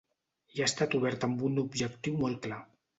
Hi ha estat obert amb un objectiu molt clar.